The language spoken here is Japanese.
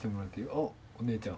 おっお姉ちゃん。